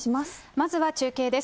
まずは中継です。